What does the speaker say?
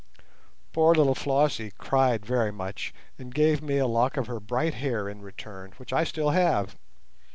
Poor little Flossie cried very much, and gave me a lock of her bright hair in return, which I still have.